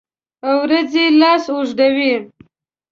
اوریځې لاس اوږدوي